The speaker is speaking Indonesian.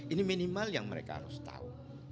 ini minimal yang mereka harus tahu